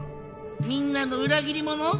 みんなの裏切り者？